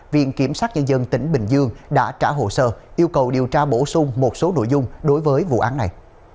viện kiểm sát nhân dân tỉnh bình dương đã trả hồ sơ yêu cầu điều tra bổ sung một số nội dung đối với vụ án này